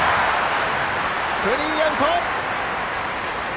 スリーアウト。